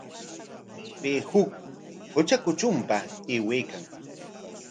Pay huk qutra kutrunpa aywaykan.